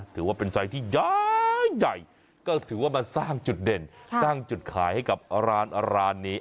ถือว่าเป็นไซส์ที่ย้ายใหญ่ก็ถือว่ามาสร้างจุดเด่นสร้างจุดขายให้กับร้านนี้